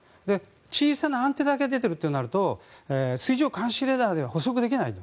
小さなアンテナだけ出ているとなると水上監視レーダーでは捕捉できない。